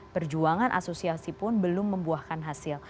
perjuangan asosiasi pun belum membuahkan hasil